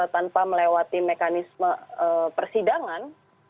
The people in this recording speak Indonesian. tanpa melewati mekanisme persidangan